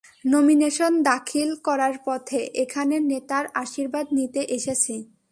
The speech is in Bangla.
নমিনেশন দাখিল করার পথে, এখানে নেতার আশির্বাদ নিতে এসেছি।